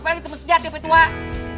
apalagi temen sejati apa itu ah